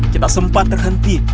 kita sempat terhenti